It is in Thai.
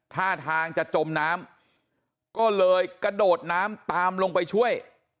ท่าทางจะจมน้ำก็เลยกระโดดน้ำตามลงไปช่วย